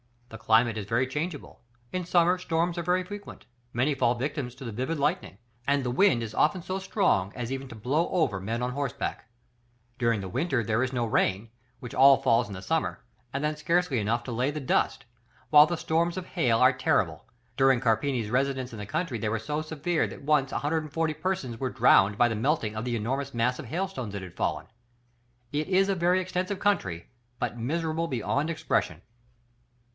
The climate is very changeable; in summer, storms are very frequent, many fall victims to the vivid lightning, and the wind is often so strong as even to blow over men on horseback: during the winter there is no rain, which all falls in the summer, and then scarcely enough to lay the dust, while the storms of hail are terrible; during Carpini's residence in the country they were so severe that once 140 persons were drowned by the melting of the enormous mass of hail stones that had fallen. It is a very extensive country, but miserable beyond expression.